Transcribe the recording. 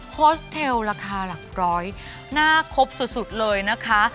โฮสเทลราคาหลักร้อยหน้าครบสุดเลยนะคะ